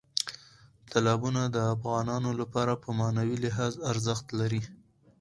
تالابونه د افغانانو لپاره په معنوي لحاظ ارزښت لري.